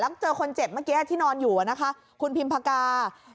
ระบบสมัครจริงเท่าที่พูดตรงข้าง